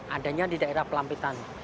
adanya di daerah pelampitan